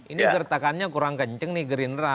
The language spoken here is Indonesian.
ini gertakannya kurang kenceng nih gerindra